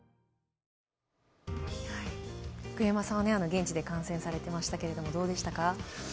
現地で観戦されていましたけれどもどうでしたか。